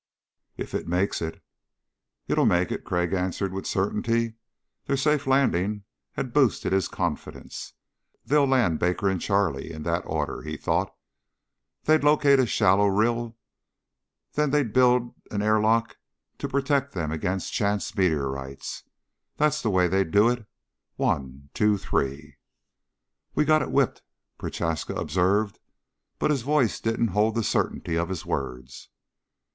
"If it makes it." "It'll make it," Crag answered with certainty. Their safe landing had boosted his confidence. They'd land Baker and Charlie, in that order, he thought. They'd locate a shallow rill; then they'd build an airlock to protect them against chance meteorites. That's the way they'd do it; one ... two ... three.... "We've got it whipped," Prochaska observed, but his voice didn't hold the certainty of his words.